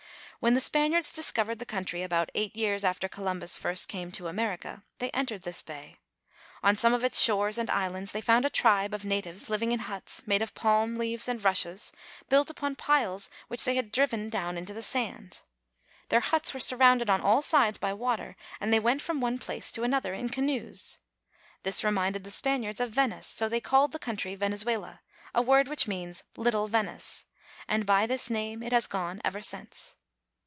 When the Spaniards discovered the country, about eight years after Columbus first came to America, they entered this bay. On some of its shores and islands they found a tribe of natives living in huts, made of palm leaves and rushes, built upon piles which they had driven down into the sand. Their huts were surrounded on all sides by water, and they went from one place to another in canoes. This reminded the Spaniards of Venice. So they called the country Venezuela, a word which means " Lit tle Venice," and by this name it has gone ever since.